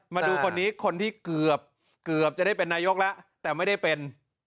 มาดูสิคนที่จะได้เป็นนายกแต่ไม่ได้เป็น